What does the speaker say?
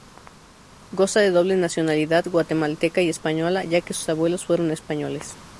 Goza de doble nacionalidad guatemalteca y española, ya que sus abuelos fueron españoles.